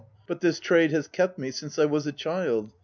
But this trade has kept me since I was a child.